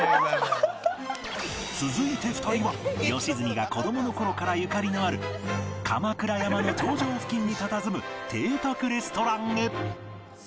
続いて２人は良純が子供の頃からゆかりのある鎌倉山の頂上付近にたたずむ邸宅レストランへ